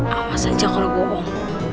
awas aja kalau bohong